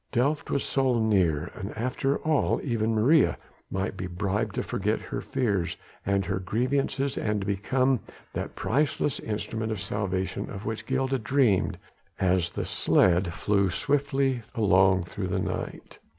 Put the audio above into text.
Delft was so near! and after all even Maria might be bribed to forget her fears and her grievances and to become that priceless instrument of salvation of which Gilda dreamed as the sledge flew swiftly along through the night.